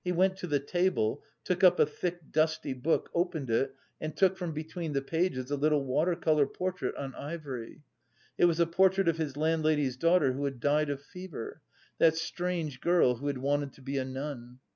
He went to the table, took up a thick dusty book, opened it and took from between the pages a little water colour portrait on ivory. It was the portrait of his landlady's daughter, who had died of fever, that strange girl who had wanted to be a nun.